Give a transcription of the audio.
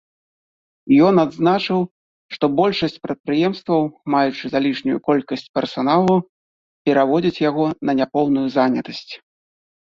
Ён адзначыў, што большасць прадпрыемстваў, маючы залішнюю колькасць персаналу, пераводзяць яго на няпоўную занятасць.